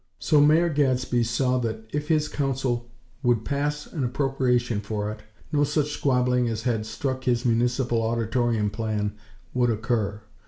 So Mayor Gadsby saw that if his Council would pass an appropriation for it, no such squabbling as had struck his Municipal Auditorium plan, would occur.